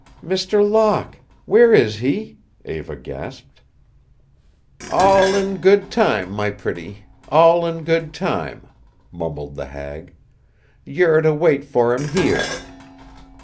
"Mr. Locke where is he?" Eva gasped. "All in good time, my pretty, all in good time," mumbled the hag. "You're to wait for him here."